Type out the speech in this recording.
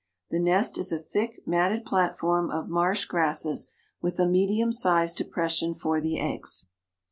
The nest is a thick, matted platform of marsh grasses, with a medium sized depression for the eggs."